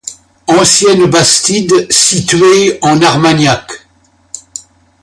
Ancienne Bastide située en Armagnac.